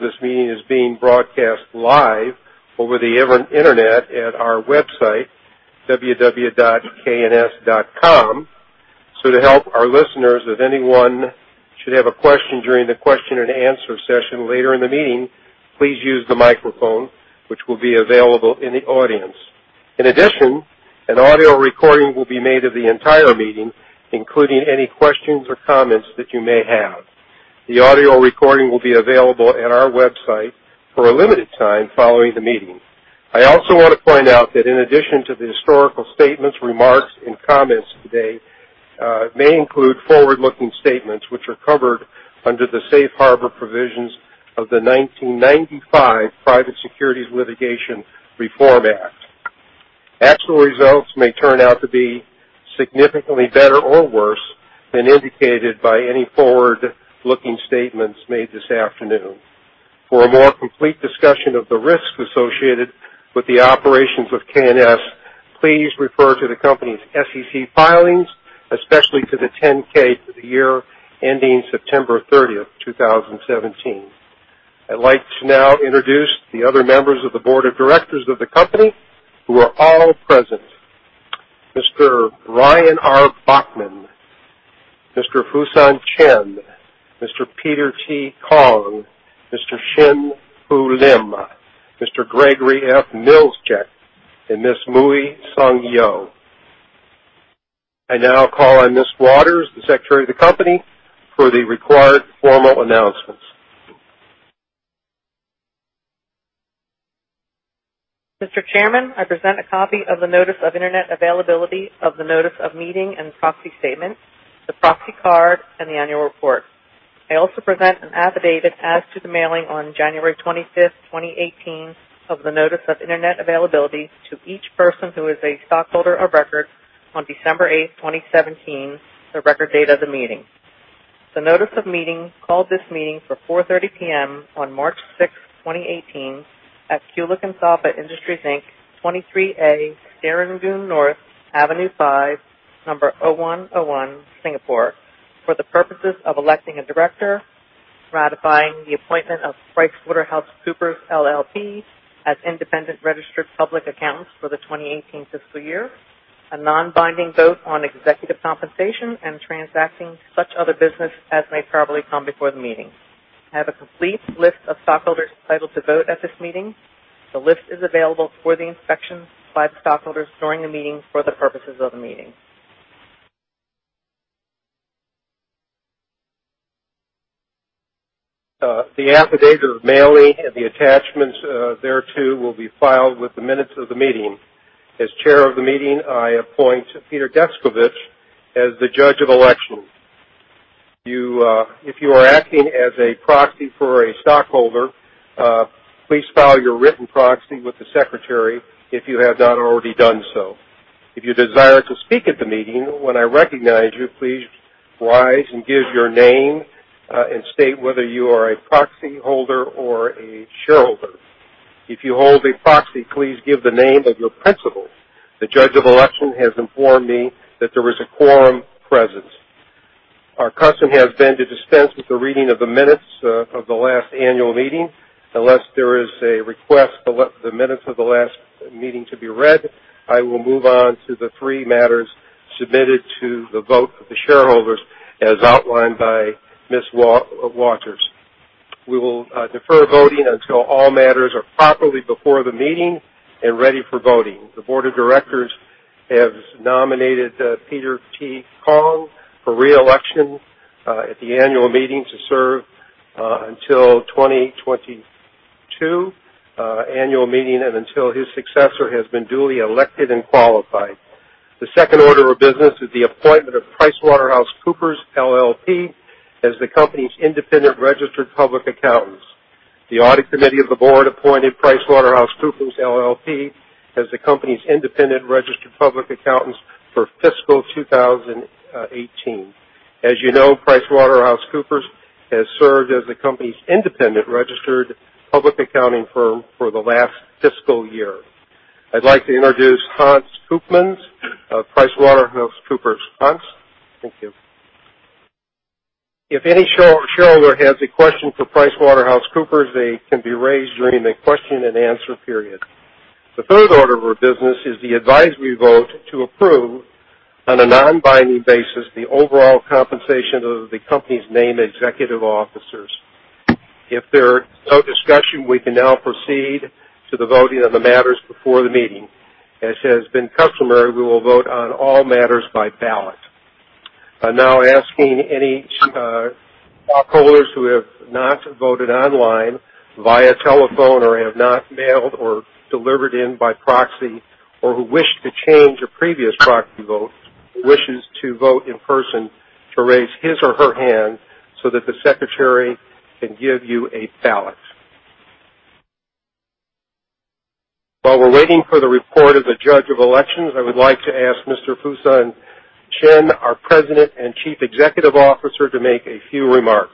This meeting is being broadcast live over the internet at our website, www.kns.com. To help our listeners, if anyone should have a question during the question and answer session later in the meeting, please use the microphone, which will be available in the audience. In addition, an audio recording will be made of the entire meeting, including any questions or comments that you may have. The audio recording will be available at our website for a limited time following the meeting. I also want to point out that in addition to the historical statements, remarks, and comments today may include forward-looking statements, which are covered under the safe harbor provisions of the 1995 Private Securities Litigation Reform Act. Actual results may turn out to be significantly better or worse than indicated by any forward-looking statements made this afternoon. For a more complete discussion of the risks associated with the operations of KNS, please refer to the company's SEC filings, especially to the 10-K for the year ending September 30th, 2017. I'd like to now introduce the other members of the board of directors of the company who are all present. Mr. Brian R. Bachman, Mr. Fusen Chen, Mr. Peter T. Kong, Mr. Chin Hu Lim, Mr. Gregory F. Milzcik, and Ms. Mui Sung Yeo. I now call on Ms. Waters, the Secretary of the company, for the required formal announcements. Mr. Chairman, I present a copy of the notice of internet availability of the notice of meeting and proxy statement, the proxy card, and the annual report. I also present an affidavit as to the mailing on January 25th, 2018, of the notice of internet availability to each person who is a stockholder of record on December 8th, 2017, the record date of the meeting. The notice of meeting called this meeting for 4:30 P.M. on March 6th, 2018, at Kulicke and Soffa Industries, Inc., 23A Serangoon North Avenue 5, number 0101 Singapore, for the purposes of electing a director, ratifying the appointment of PricewaterhouseCoopers LLP as independent registered public accountants for the 2018 fiscal year, a non-binding vote on executive compensation, and transacting such other business as may properly come before the meeting. I have a complete list of stockholders titled to vote at this meeting. The list is available for the inspection by the stockholders during the meeting for the purposes of the meeting. The affidavit of mailing and the attachments thereto will be filed with the minutes of the meeting. As chair of the meeting, I appoint Peter Deskovich as the judge of elections. If you are acting as a proxy for a stockholder, please file your written proxy with the secretary if you have not already done so. If you desire to speak at the meeting, when I recognize you, please rise and give your name, and state whether you are a proxy holder or a shareholder. If you hold a proxy, please give the name of your principal. The judge of election has informed me that there is a quorum present. Our custom has been to dispense with the reading of the minutes of the last annual meeting. Unless there is a request for the minutes of the last meeting to be read, I will move on to the three matters submitted to the vote of the shareholders as outlined by Ms. Waters. We will defer voting until all matters are properly before the meeting and ready for voting. The board of directors has nominated Peter T. Kong for re-election at the annual meeting to serve until 2022 annual meeting and until his successor has been duly elected and qualified. The second order of business is the appointment of PricewaterhouseCoopers LLP as the company's independent registered public accountants. The audit committee of the board appointed PricewaterhouseCoopers LLP as the company's independent registered public accountants for fiscal 2018. As you know, PricewaterhouseCoopers has served as the company's independent registered public accounting firm for the last fiscal year. I'd like to introduce Hans Koopmans of PricewaterhouseCoopers. Hans. Thank you. If any shareholder has a question for PricewaterhouseCoopers, they can be raised during the question and answer period. The third order of business is the advisory vote to approve, on a non-binding basis, the overall compensation of the company's named executive officers. If there is no discussion, we can now proceed to the voting on the matters before the meeting. As has been customary, we will vote on all matters by ballot. I'm now asking any stockholders who have not voted online, via telephone, or have not mailed or delivered in by proxy, or who wish to change a previous proxy vote, who wishes to vote in person, to raise his or her hand so that the secretary can give you a ballot. While we're waiting for the report of the judge of elections, I would like to ask Mr. Fusen Chen, our President and Chief Executive Officer, to make a few remarks.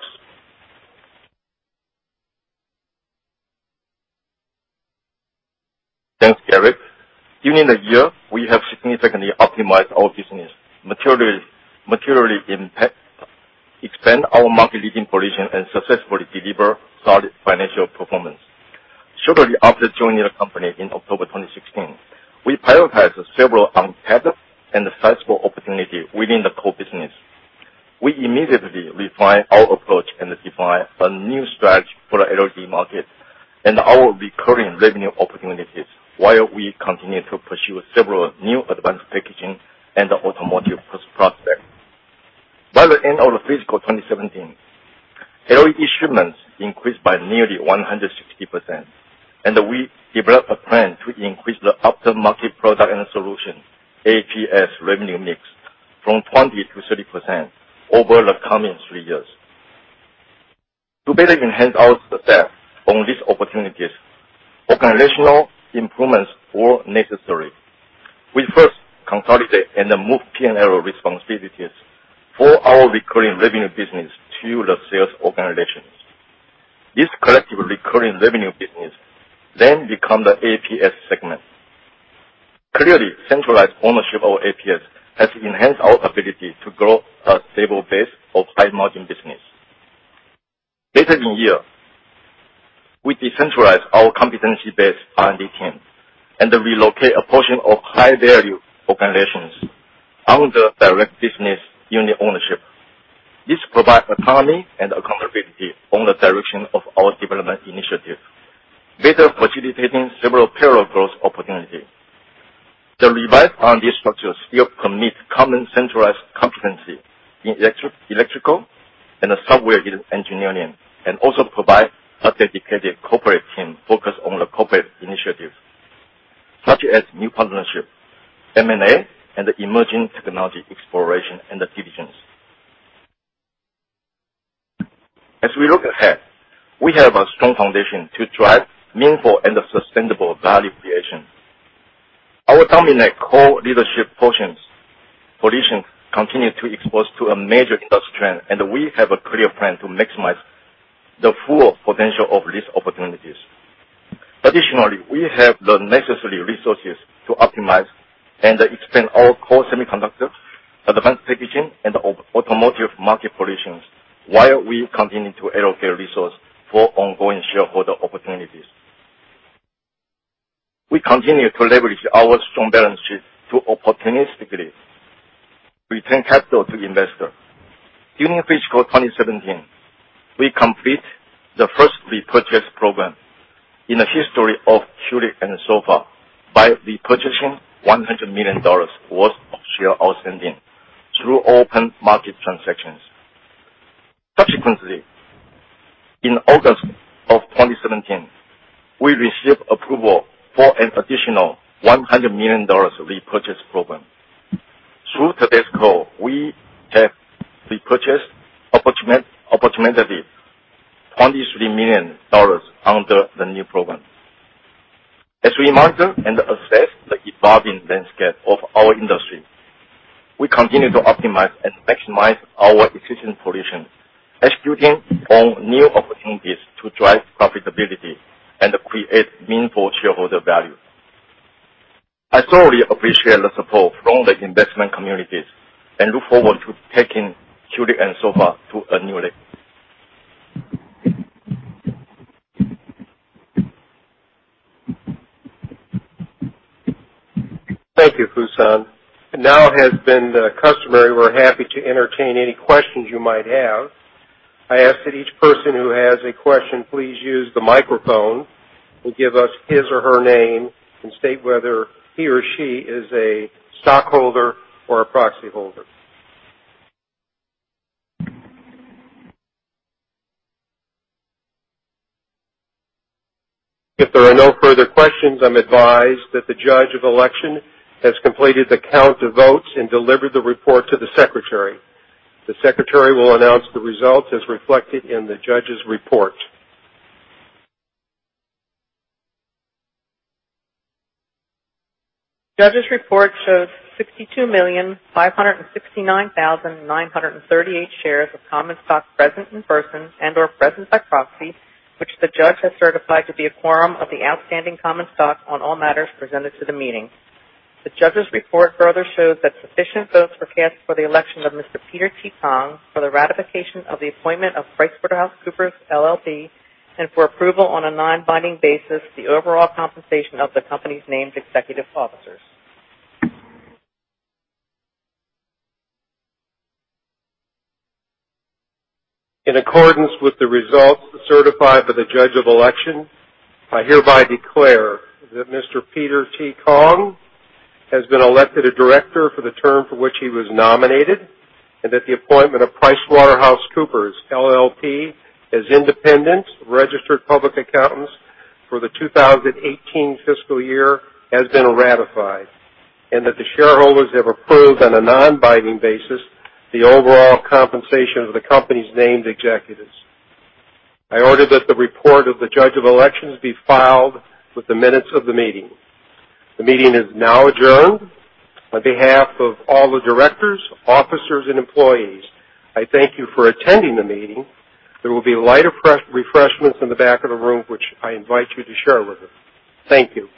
Thanks, Gary. During the year, we have significantly optimized our business, materially expand our market-leading position, and successfully deliver solid financial performance. Shortly after joining the company in October 2016, we prioritized several untapped and sizable opportunities within the core business. We immediately refined our approach and defined a new strategy for the LED market and our recurring revenue opportunities while we continued to pursue several new advanced packaging and automotive prospects. By the end of fiscal 2017, LED shipments increased by nearly 160%, and we developed a plan to increase the aftermarket product and solution, APS revenue mix from 20% to 30% over the coming three years. To better enhance our staff on these opportunities, organizational improvements were necessary. We first consolidated and moved P&L responsibilities for our recurring revenue business to the sales organizations. This collective recurring revenue business then became the APS Segment. Clearly, centralized ownership of APS has enhanced our ability to grow a stable base of high-margin business. Later in the year, we decentralized our competency-based R&D team and relocated a portion of high-value organizations under direct business unit ownership. This provides autonomy and accountability on the direction of our development initiatives, better facilitating several parallel growth opportunities. The revised R&D structures still commit common centralized competency in electrical and software engineering, also provide a dedicated corporate team focused on the corporate initiatives, such as new partnership, M&A, and emerging technology exploration and decisions. As we look ahead, we have a strong foundation to drive meaningful and sustainable value creation. Our dominant core leadership positions continue to expose to a major industry trend, we have a clear plan to maximize the full potential of these opportunities. Additionally, we have the necessary resources to optimize and expand our core semiconductor, advanced packaging, and automotive market positions while we continue to allocate resources for ongoing shareholder opportunities. We continue to leverage our strong balance sheet to opportunistically return capital to investors. During fiscal 2017, we completed the first repurchase program in the history of Kulicke & Soffa by repurchasing $100 million worth of shares outstanding through open market transactions. Subsequently, in August of 2017, we received approval for an additional $100 million repurchase program. Through today's call, we have repurchased opportunistically $23 million under the new program. As we monitor and assess the evolving landscape of our industry, we continue to optimize and maximize our existing positions, executing on new opportunities to drive profitability and create meaningful shareholder value. I thoroughly appreciate the support from the investment communities and look forward to taking Kulicke & Soffa to a new level. Thank you, Fusen. We're happy to entertain any questions you might have. I ask that each person who has a question, please use the microphone and give us his or her name and state whether he or she is a stockholder or a proxy holder. If there are no further questions, I'm advised that the Judge of Election has completed the count of votes and delivered the report to the Secretary. The Secretary will announce the results as reflected in the Judge's report. Judge's report shows 62,569,938 shares of common stock present in person and/or present by proxy, which the judge has certified to be a quorum of the outstanding common stock on all matters presented to the meeting. The judge's report further shows that sufficient votes were cast for the election of Mr. Peter T. Kong, for the ratification of the appointment of PricewaterhouseCoopers LLP, and for approval on a non-binding basis the overall compensation of the company's named executive officers. In accordance with the results certified by the Judge of Election, I hereby declare that Mr. Peter T. Kong has been elected a director for the term for which he was nominated, and that the appointment of PricewaterhouseCoopers LLP as independent registered public accountants for the 2018 fiscal year has been ratified, and that the shareholders have approved, on a non-binding basis, the overall compensation of the company's named executives. I order that the report of the Judge of Election be filed with the minutes of the meeting. The meeting is now adjourned. On behalf of all the directors, officers, and employees, I thank you for attending the meeting. There will be light refreshments in the back of the room, which I invite you to share with us. Thank you.